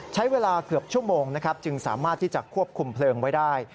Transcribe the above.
ใช้เวลาเกือบชั่วโมงนะครับจึงสามารถที่จะควบคุมเพลิงไว้ได้